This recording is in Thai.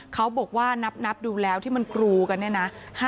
เขาบอกว่านับดูแล้วที่มันกรูกันเนี่ยนะ